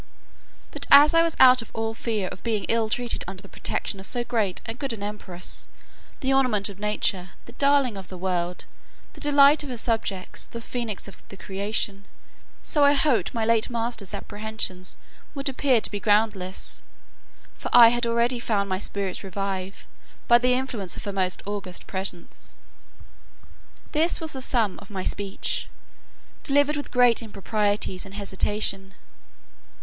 But as I was out of all fear of being ill treated under the protection of so great and good an empress, the ornament of nature, the darling of the world, the delight of her subjects, the phœnix of the creation, so I hoped my late master's apprehensions would appear to be groundless; for I already found my spirits revive, by the influence of her most august presence." This was the sum of my speech, delivered with great improprieties and hesitation.